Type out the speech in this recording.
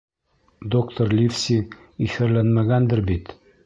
Доктор Ливси иҫәрләнмәгәндер бит?